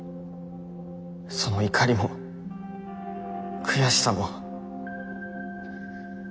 その怒りも悔しさも。